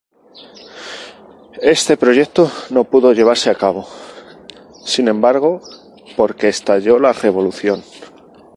Este proyecto no pudo llevarse a cabo, sin embargo, porque estalló la Revolución.